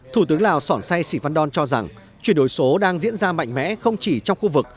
thủ tướng lào sổn sai sĩ phan lôn cho rằng chuyển đổi số đang diễn ra mạnh mẽ không chỉ trong khu vực